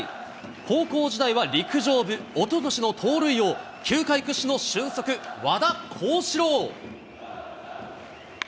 高校時代は陸上部、おととしの盗塁王、球界屈指の俊足、和田康士朗。